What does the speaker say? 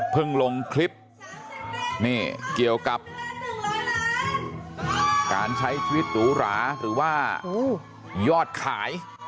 ลงคลิปนี่เกี่ยวกับการใช้ชีวิตหรูหราหรือว่ายอดขาย